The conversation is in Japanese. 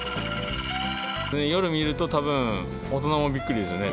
夜見ると、たぶん、大人もびっくりですね。